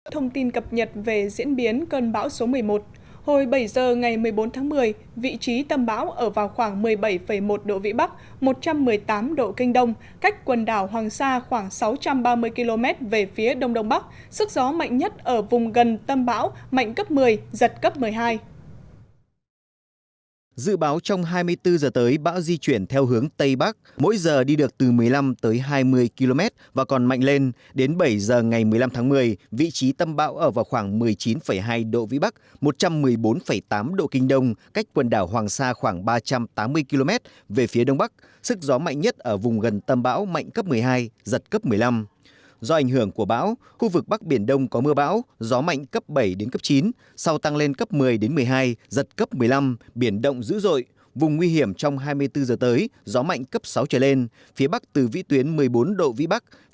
thông tin cập nhật về diễn biến cơn bão số một mươi một hồi bảy giờ ngày một mươi bốn tháng một mươi vị trí tâm bão ở vào khoảng một mươi bảy một độ vĩ bắc một trăm một mươi tám độ kinh đông cách quần đảo hoàng sa khoảng sáu trăm ba mươi km về phía đông đông bắc sức gió mạnh nhất ở vùng gần tâm bão mạnh cấp một mươi giật cấp một mươi hai